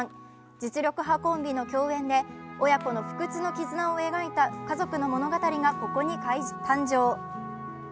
実力派コンビの共演で親子の不屈の絆を描いた家族の物語がここに誕生。